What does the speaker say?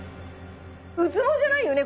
ウツボじゃないよね？